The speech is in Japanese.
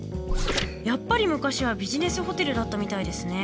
やっぱり昔はビジネスホテルだったみたいですね。